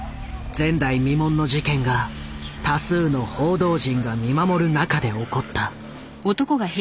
前代未聞の事件が多数の報道陣が見守る中で起こった。